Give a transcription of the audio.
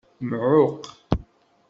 Mɛuqq.